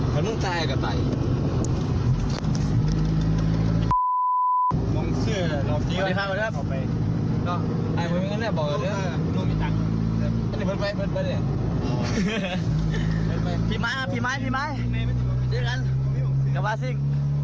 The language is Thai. กินไฟเหมือนกันอย่าง